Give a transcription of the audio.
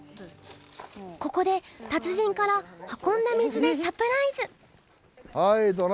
ここで達人から運んだ水でサプライズ。